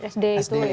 sd itu ya